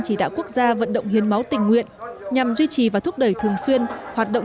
chỉ đạo quốc gia vận động hiến máu tình nguyện nhằm duy trì và thúc đẩy thường xuyên hoạt động